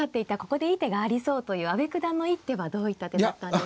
ここでいい手がありそうという阿部九段の一手はどういった手だったんですか。